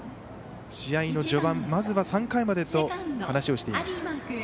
試合の序盤、まずは３回までと話をしていました。